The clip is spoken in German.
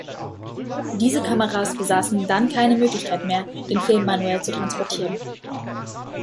Diese Kameras besaßen dann keine Möglichkeit mehr, den Film manuell zu transportieren.